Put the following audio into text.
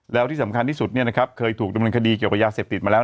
แล้วที่สำคัญที่สุดเคยถูกดำเนินคดีเกี่ยวกับยาเสพติดมาแล้ว